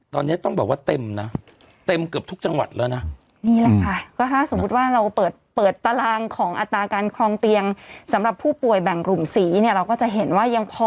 ตอนเนี้ยต้องบอกว่าเต็มน่ะเต็มเกือบทุกจังหวัดแล้วน่ะนี่แหละค่ะ